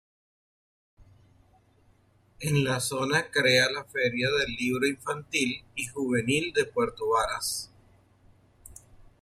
En la zona crea la Feria del Libro Infantil y Juvenil de Puerto Varas.